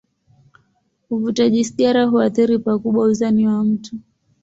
Uvutaji sigara huathiri pakubwa uzani wa mtu.